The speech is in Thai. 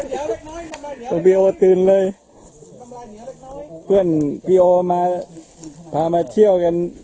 ตอนปีโอตื่นเลยเพื่อนปีโอมาพามาเที่ยวกัน